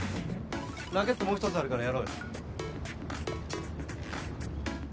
ラケットもう１つあるからやろうよ。